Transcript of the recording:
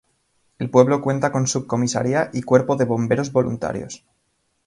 El pueblo cuenta con subcomisaría y cuerpo de bomberos voluntarios.